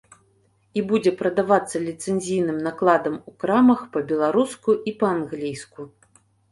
І будзе прадавацца ліцэнзійным накладам у крамах па-беларуску і па-англійску.